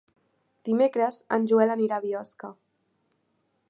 Dimecres en Joel anirà a Biosca.